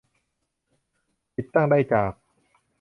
ติดตั้งได้จาก